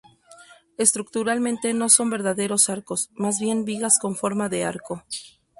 Estructuralmente no son verdaderos arcos, más bien vigas con forma de arco.